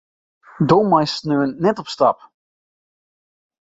Do meist sneon net op stap.